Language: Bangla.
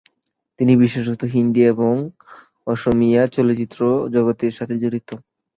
তিনি বিশেষত হিন্দী এবং অসমীয়া চলচ্চিত্র জগতের সাথে জড়িত।